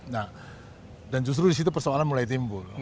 nah dan justru di situ persoalan mulai timbul